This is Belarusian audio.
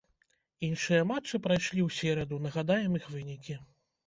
Іншыя матчы прайшлі ў сераду, нагадаем іх вынікі.